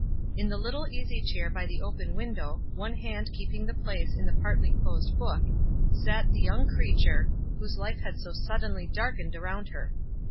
In the little easy chair by the open window, one hand keeping the place in the partly closed book, sat the young creature, whose life had so suddenly darkened around her.